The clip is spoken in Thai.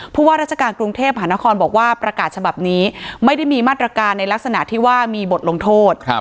ว่าราชการกรุงเทพหานครบอกว่าประกาศฉบับนี้ไม่ได้มีมาตรการในลักษณะที่ว่ามีบทลงโทษ